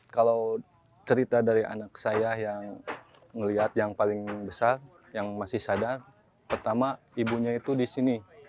kalau cerita dari anak saya yang melihat yang paling besar yang masih sadar pertama ibunya itu di sini